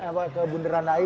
eh ke bunda randai